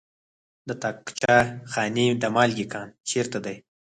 د طاقچه خانې د مالګې کان چیرته دی؟